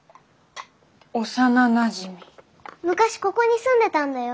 昔ここに住んでたんだよ。